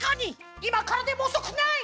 いまからでもおそくない！